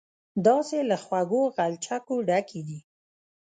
داسې له خوږو غلچکو ډکې دي.